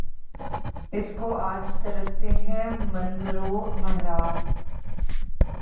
اسی کو آج ترستے ہیں منبر و محراب